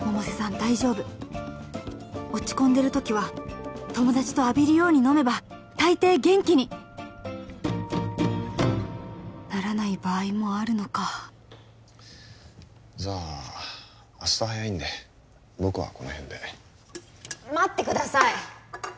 大丈夫落ち込んでる時は友達と浴びるように飲めば大抵元気にならない場合もあるのかじゃあ明日早いんで僕はこのへんで待ってください